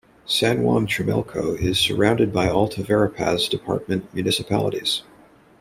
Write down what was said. San Juan Chamelco is surrounded by Alta Verapaz Department municipalities.